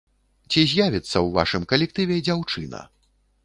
Ці з'явіцца ў вашым калектыве дзяўчына?